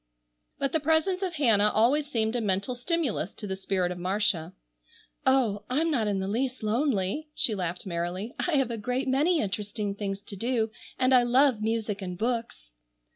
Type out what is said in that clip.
But the presence of Hannah always seemed a mental stimulus to the spirit of Marcia. "Oh, I'm not in the least lonely," she laughed merrily. "I have a great many interesting things to do, and I love music and books."